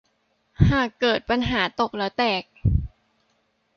หากเกิดปัญหาตกแล้วแตก